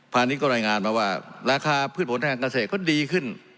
ณิชย์ก็รายงานมาว่าราคาพืชผลทางเกษตรก็ดีขึ้น